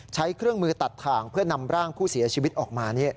ใช้เครื่องมือตัดถ่างเพื่อนำร่างผู้เสียชีวิตออกมา